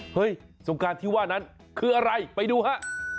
สงการที่ว่านั้นคืออะไรไปดูฮะ